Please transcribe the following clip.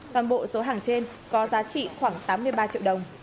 toàn bộ số hàng trên có giá trị khoảng tám mươi ba triệu đồng